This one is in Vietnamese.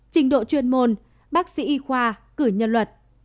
trình độ chuyên môn bác sĩ y khoa cử nhân luật